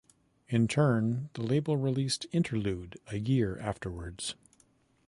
In turn, the label released "Interlude" a year afterwards.